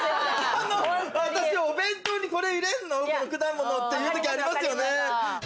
私、お弁当にこれ入れるの、果物っていうときありますよね。